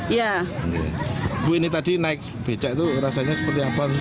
ibu ini tadi naik becak itu rasanya seperti apa